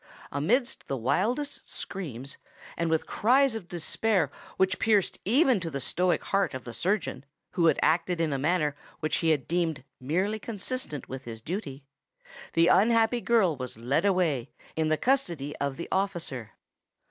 Amidst the wildest screams—and with cries of despair which pierced even to the stoic heart of the surgeon, who had acted in a manner which he had deemed merely consistent with his duty, the unhappy girl was led away in the custody of the officer.